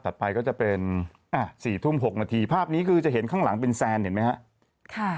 ถัดไปก็จะเป็น๔๕๖น้ำหน้าภาพนี้คือจะเห็นข้างหลังเป็นแซนเห็นไหมฮะ